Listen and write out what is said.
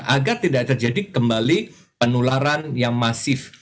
agar tidak terjadi kembali penularan yang masif